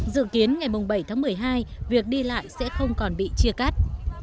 dự kiến ngày bảy tháng một mươi hai việc đi lại sẽ không còn bị chia cắt